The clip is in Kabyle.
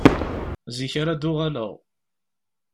Zik ara d-uɣeleɣ.